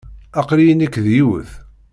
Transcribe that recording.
Aql-iyi nekk d yiwet.